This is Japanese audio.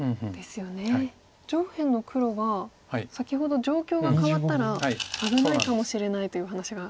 上辺の黒は先ほど状況が変わったら危ないかもしれないというお話が。